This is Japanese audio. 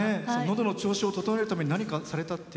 どの調子を整えるために何かされたって。